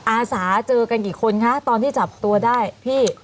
อาสาเจอกันกี่คนคะตอนที่จับตัวได้พี่